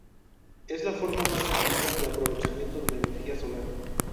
Es la forma más antigua de aprovechamiento de la energía solar.